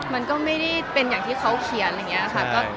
มันก็ไม่ได้เป็นอย่างที่เขาเขียนอะไรอย่างนี้ค่ะ